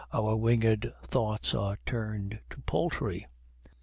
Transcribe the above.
Our winged thoughts are turned to poultry.